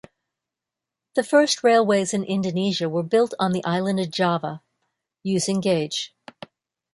The first railways in Indonesia were built on the island of Java, using gauge.